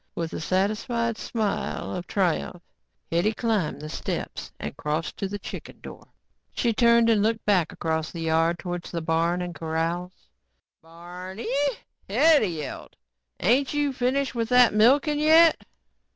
With a satisfied smile of triumph, Hetty climbed the steps and crossed to the kitchen door. She turned and looked back across the yard towards the barn and corrals. "Barneeeeey," Hetty yelled. "Ain't you finished with that milking yet?"